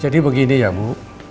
jadi begini ya bu